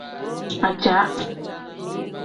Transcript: Ajaa.